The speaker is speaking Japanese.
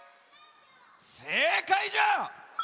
せいかいじゃ！